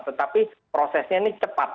tetapi prosesnya cepat